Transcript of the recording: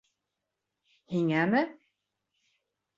Һиңәме?